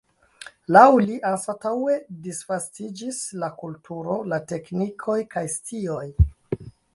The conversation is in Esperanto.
Laŭ li, anstataŭe disvastiĝis la kulturo, la teknikoj kaj scioj.